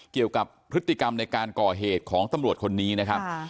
เกี่ยวกับพฤติกรรมในการก่อเหตุของตำรวจคนนี้นะครับ